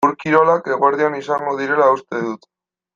Ur-kirolak eguerdian izango direla uste dut.